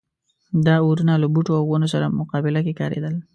دا اورونه له بوټو او ونو سره مقابله کې کارېدل.